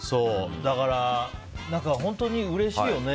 だから、本当にうれしいよね。